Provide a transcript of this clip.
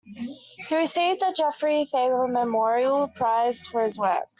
He received a Geoffrey Faber Memorial Prize for his work.